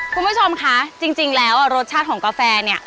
คุณผู้ชมคะจริงแล้วรสชาติของกาแฟเนี่ย